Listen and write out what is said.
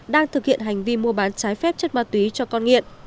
đang thực hiện hành vi mua bán trái phép chất ma túy cho con nghiện